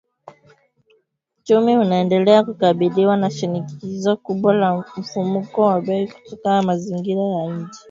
"Uchumi unaendelea kukabiliwa na shinikizo kubwa la mfumuko wa bei kutokana na mazingira ya nje